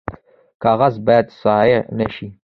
کاغذ باید ضایع نشي